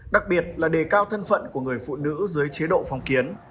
đặc biệt là đề cao thân phận của người phụ nữ dưới chế độ phong kiến